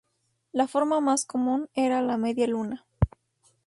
La forma más común era la media luna.